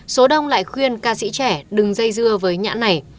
số đông lại khuyên ca sĩ trẻ đừng dây dưa với nhãn này